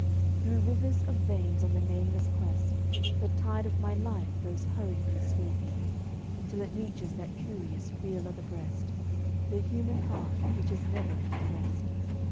Through rivers of veins on the nameless quest The tide of my life goes hurriedly sweeping, Till it reaches that curious wheel o' the breast, The human heart, which is never at rest.